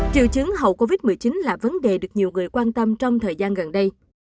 triệu chứng hậu covid một mươi chín là vấn đề được nhiều người quan tâm trong thời gian gần đây